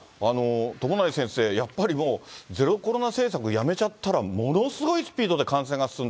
友成先生、やっぱりもう、ゼロコロナ政策、やめちゃったらものすごいスピードで感染が進んだ。